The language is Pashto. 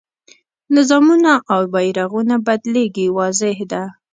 نظامونه او بیرغونه بدلېږي واضح ده.